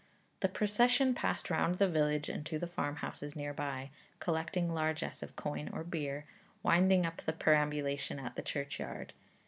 The procession passed round the village and to the farm houses near by, collecting largess of coin or beer, winding up the perambulation at the churchyard.